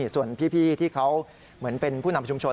ส่วนพี่ที่เขาเหมือนเป็นผู้นำชุมชน